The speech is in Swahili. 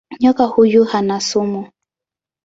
Nyoka huyu hana sumu.